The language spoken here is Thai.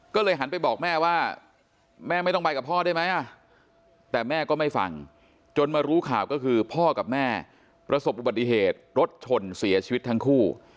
ก็เลยหันไปบอกแม่ว่าแม่ไม่ต้องไปกับพ่อได้ไหมแต่แม่ก็ไม่ฟังจนมารู้ข่าวก็คือพ่อกับแม่ประสบอุบัติเหตุรถชนเสียชีวิตทั้งคู่